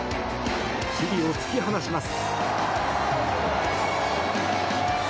チリを突き放します。